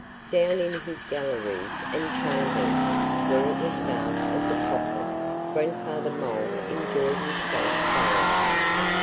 Down in his galleries and chambers where it was dark as a pocket Grandfather Mole enjoyed himself thoroughly.